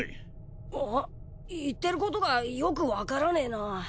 言ってることがよくわからねえな。